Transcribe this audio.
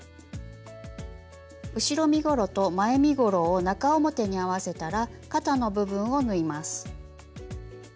後ろ身ごろと前身ごろを中表に合わせたら肩の部分を縫います。